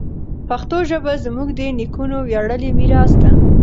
پښتو ژبه زموږ د نیکونو ویاړلی میراث ده.